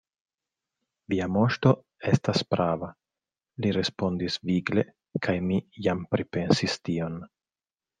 Via moŝto estas prava, li respondis vigle, kaj mi jam pripensis tion.